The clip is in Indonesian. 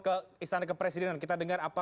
ke istana kepresidenan kita dengar apa